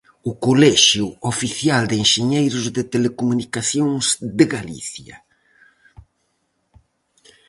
O Colexio Oficial de Enxeñeiros de Telecomunicacións de Galicia.